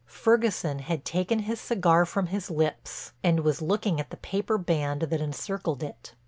Ferguson had taken his cigar from his lips and was looking at the paper band that encircled it.